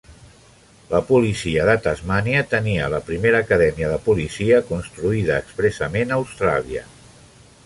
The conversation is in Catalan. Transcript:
La policia de Tasmània tenia la primera acadèmia de policia construïda expressament a Austràlia.